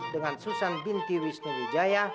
dengan susan binti wisnu wijaya